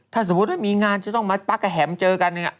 ถ้าสมมุติว่ามีงานจะต้องมาปั๊กกระแหมเจอกัน